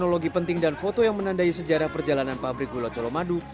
teknologi penting dan foto yang menandai sejarah perjalanan pabrik gula colomadu